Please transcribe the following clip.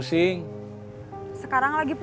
jangan jangan marah